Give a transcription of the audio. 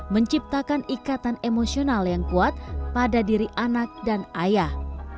menciptakan ikatan emosional yang kuat pada diri anak dan ayah